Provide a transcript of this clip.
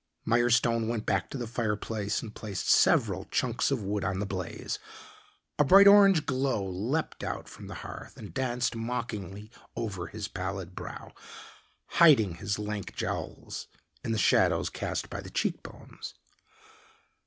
Mirestone went back to the fireplace and placed several chunks of wood on the blaze. A bright orange glow leaped out from the hearth and danced mockingly over his pallid brow, hiding his lank jowls in the shadows cast by the cheekbones.